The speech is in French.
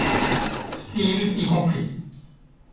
Styles y compris.